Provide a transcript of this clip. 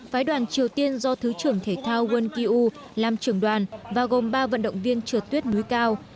phái đoàn triều tiên do thứ trưởng thể thao wankyu làm trưởng đoàn và gồm ba vận động viên trượt tuyết núi cao